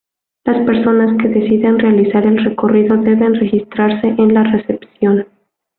Las personas que deciden realizar el recorrido deben registrarse en la recepción.